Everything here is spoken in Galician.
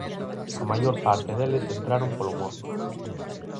A maior parte deles entraron polo móbil.